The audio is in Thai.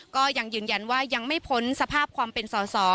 ก็ยังยืนยันว่ายังไม่พ้นสภาพความเป็นสอสอ